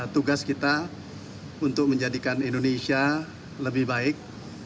tugas kita untuk menjadikan indonesia lebih baik